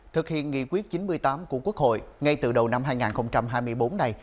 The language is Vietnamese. thực hiện nghị quyết chín mươi tám của quốc hội ngay từ đầu năm hai nghìn hai mươi bốn này